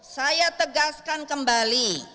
saya tegaskan kembali